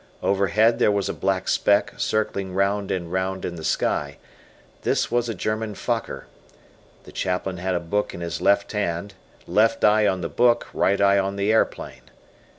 Over head there was a black speck circling round and round in the sky. This was a German Fokker. The Chaplain had a book in his left hand left eye on the book right eye on the aeroplane.